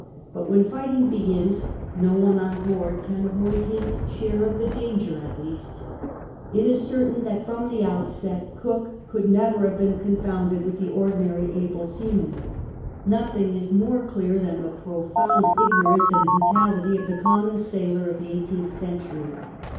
But when fighting begins, no one on boat'd can avoid his share of the danger at least. It is certain that from the outset Cook could never have been confounded with the ordinary able seaman — nothing is more clear than the pro found ignorance and the brutality of the common sailor of the eighteenth century.